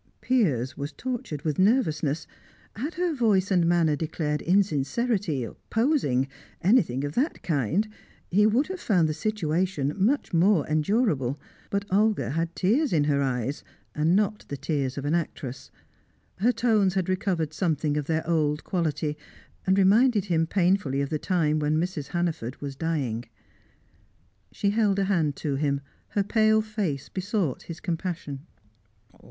Piers was tortured with nervousness. Had her voice and manner declared insincerity, posing, anything of that kind, he would have found the situation much more endurable; but Olga had tears in her eyes, and not the tears of an actress; her tones had recovered something of their old quality, and reminded him painfully of the time when Mrs. Hannaford was dying. She held a hand to him, her pale face besought his compassion.